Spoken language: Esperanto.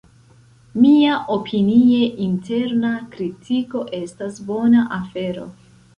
Miaopinie interna kritiko estas bona afero.